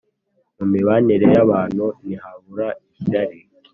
Mu mibanire y’abantu ntihabura ishyari